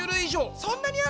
そんなにある！？